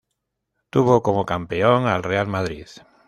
Tuvo como campeón al Real Madrid.